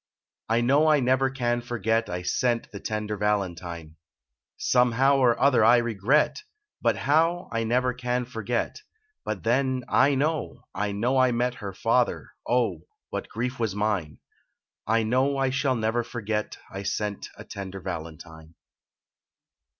I know I never can forget I sent the tender valentine ; Somehow or other I regret, Hut how I never can forget, Hut then, I know, I know I met Her father, Oh, what grief was mine. I know I never shall forget I sent a tender valentine.